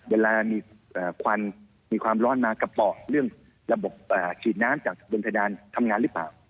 เวลามีควันมีความร้อนมากระเป๋าเรื่องระบบฉีดน้ำจากบนเพดานทำงานหรือเปล่า